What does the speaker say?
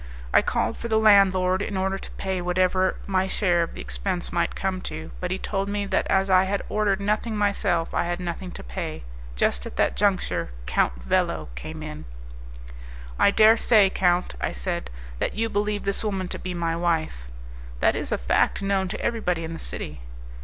I called for the landlord in order to pay whatever my share of the expense might come to, but he told me that as I had ordered nothing myself I had nothing to pay. Just at that juncture Count Velo came in. "I daresay, count," I said, "that you believe this woman to be my wife." "That is a fact known to everybody in the city."